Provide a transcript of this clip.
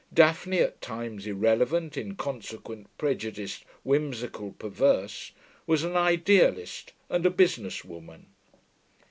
Daphne, at times irrelevant, inconsequent, prejudiced, whimsical, perverse, was an idealist and a business woman.